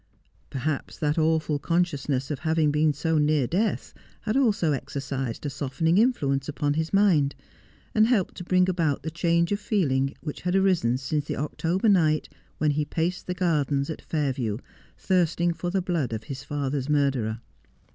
Perhaps that awful consciousness of having been so near death had also ex ercised a softening influence upon his' mind, and helped to bring about the change of feeling which had arisen since the October night when he paced the gardens at Fairview, thirst ing for the blood of his father's murderer.